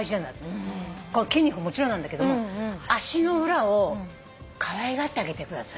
この筋肉ももちろんなんだけども足の裏をかわいがってあげてください。